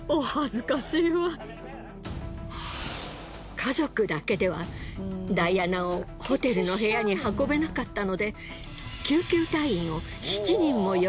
家族だけではダイアナをホテルの部屋に運べなかったので。